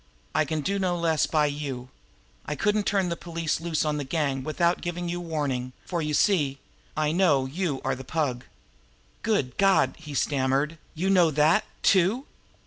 I can do no less by you. I couldn't turn the police loose on the gang without giving you warning, for, you see, I know you are the Pug." "Good God!" he stammered. "You know that, too?"